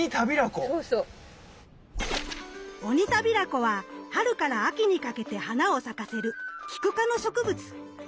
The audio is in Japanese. オニタビラコは春から秋にかけて花を咲かせるキク科の植物。